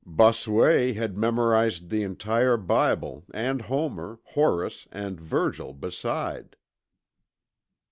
Bossuet had memorized the entire Bible, and Homer, Horace and Virgil beside.